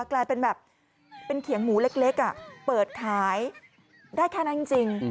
กลายเป็นแบบเป็นเขียงหมูเล็กเปิดขายได้แค่นั้นจริง